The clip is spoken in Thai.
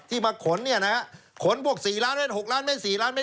มาขนเนี่ยนะฮะขนพวก๔ล้านเมตร๖ล้านเมตร๔ล้านเมต